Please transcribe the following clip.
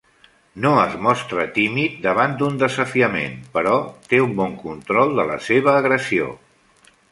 No es mostra tímid davant d'un desafiament, però té un bon control de la seva agressió.